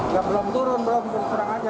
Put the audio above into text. ya belum turun belum disurang saja